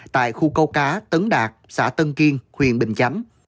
tại khu câu cá tấn đạt xã tân kiên huyện bình chánh